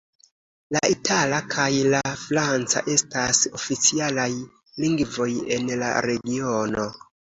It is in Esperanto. La itala kaj la franca estas oficialaj lingvoj en la regiono.